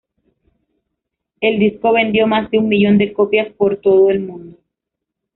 El disco vendió más de un millón de copias por todo el mundo.